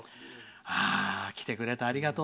来てくれてありがとう。